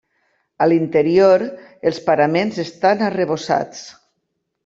A l'interior els paraments estan arrebossats.